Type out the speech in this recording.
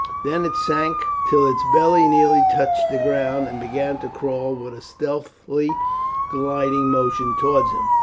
Then it sank till its belly nearly touched the ground, and began to crawl with a stealthy gliding motion towards him.